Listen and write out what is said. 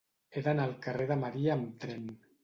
He d'anar al carrer de Maria amb tren.